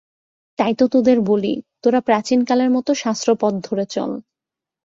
তাই তো তোদের বলি, তোরা প্রাচীন কালের মত শাস্ত্রপথ ধরে চল।